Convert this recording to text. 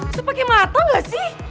lu pake mata gak sih